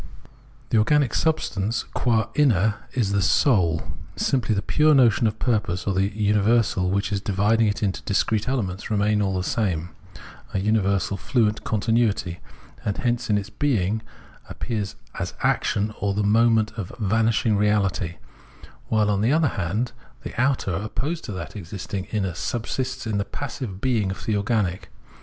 The organic substance qua inner is the Soul simply, the pure notion of purpose or the universal which in dividing into its discrete elements remains all the same a universal fluent continuity, and hence in its being appears as action or the movement of vanishing reality ; while, on the other hand, the outer, opposed to that existing inner, subsists in the passive being of the organic.